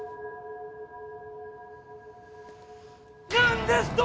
なんですと！？